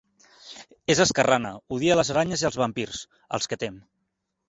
És esquerrana, odia les aranyes i els vampirs, als que tem.